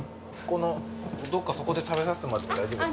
ここのどっかそこで食べさせてもらっても大丈夫？